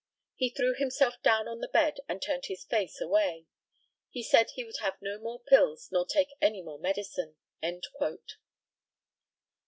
He threw himself down on the bed and turned his face away. He said he would have no more pills nor take any more medicine."